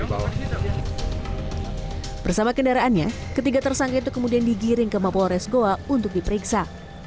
bawahnya bersama kendaraannya ketiga tersangka itu kemudian digiring ke mapolores goa untuk diperiksa